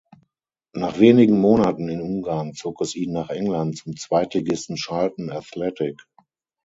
Nach wenigen Monaten in Ungarn zog es ihn nach England zum Zweitligisten Charlton Athletic.